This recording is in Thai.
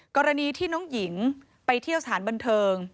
กรณีที่น้องหญิงไปเที่ยวสถานบันเทิง